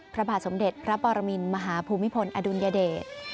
พระบาทสมเด็จพระปรมินมหาภูมิพลอดุลยเดช